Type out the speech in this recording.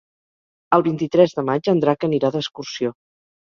El vint-i-tres de maig en Drac anirà d'excursió.